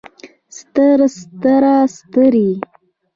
ستر ستره سترې